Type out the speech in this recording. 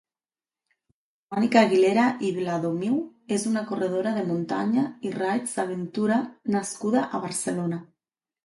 Mònica Aguilera i Viladomiu és una corredera de muntanya i raids d'aventura nascuda a Barcelona.